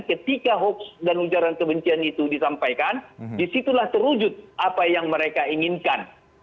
ketika hoaks dan ujaran kebencian itu disampaikan disitulah terwujud apa yang mereka inginkan